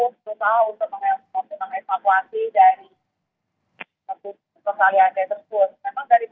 merupakan bus yang berjalanan dari porto guggenheim